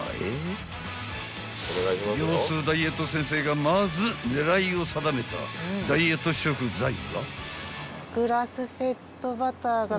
［業スーダイエット先生がまず狙いを定めたダイエット食材は？］